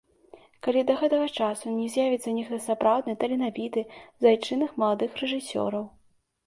Калі да гэтага часу не з'явіцца нехта сапраўды таленавіты з айчынных маладых рэжысёраў.